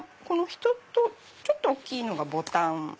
ちょっと大きいのがボタン。